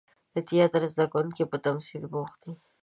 د تیاتر زده کوونکي په تمثیل بوخت دي.